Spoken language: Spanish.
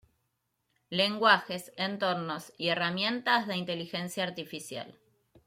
Lenguajes, entornos y herramientas de Inteligencia Artificial.